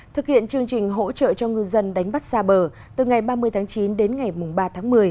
thực hiện chương trình hỗ trợ cho ngư dân đánh bắt xa bờ từ ngày ba mươi tháng chín đến ngày ba tháng một mươi